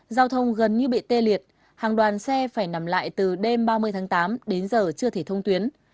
giao thông gần như bị tê liệt hàng đoàn xe phải nằm lại từ đêm ba mươi tháng tám đến giờ chưa thể thông tuyến